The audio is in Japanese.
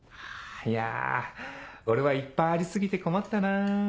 いや俺はいっぱいあり過ぎて困ったなぁ。